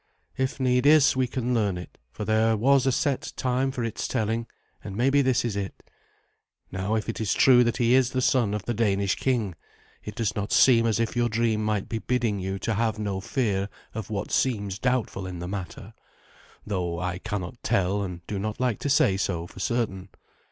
If need is, we can learn it, for there was a set time for its telling, and maybe this is it. Now, if it is true that he is the son of the Danish king, it does seem as if your dream might be bidding you to have no fear of what seems doubtful in the matter, though I cannot tell, and do not like to say so for certain.